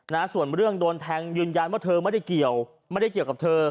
นะส่วนเรื่องโดนแทงยืนยันว่าเธอไม่ได้เกี่ยวไม่ได้เกี่ยวกับเธอ